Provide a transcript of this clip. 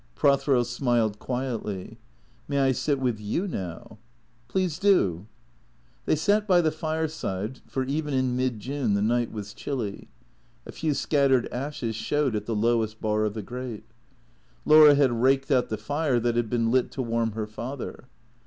Prothero smiled quietly. " May I sit with you now ?" "Please do." They sat by the fireside, for even in mid June the night was chilly. A few scattered ashes showed at the lowest bar of the grate. Laura had raked out the fire that had been lit to warm her father.